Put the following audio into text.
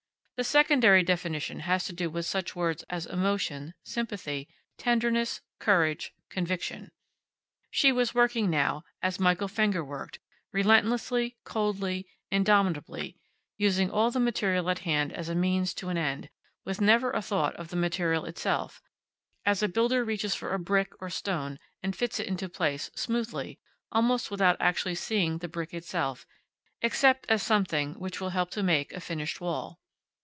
The secondary definition has to do with such words as emotion, sympathy, tenderness, courage, conviction. She was working, now, as Michael Fenger worked, relentlessly, coldly, indomitably, using all the material at hand as a means to an end, with never a thought of the material itself, as a builder reaches for a brick, or stone, and fits it into place, smoothly, almost without actually seeing the brick itself, except as something which will help to make a finished wall.